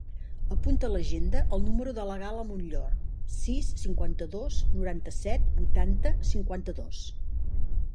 Apunta a l'agenda el número de la Gala Monllor: sis, cinquanta-dos, noranta-set, vuitanta, cinquanta-dos.